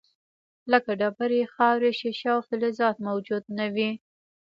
لکه ډبرې، خاورې، شیشه او فلزات موجود نه وي.